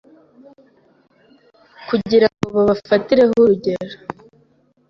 kugira ngo babafatireho urugero